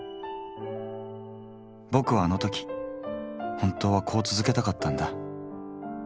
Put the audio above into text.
ボクはあの時本当はこう続けたかったんだ。